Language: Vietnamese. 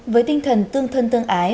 với tinh thần tương thân tương ái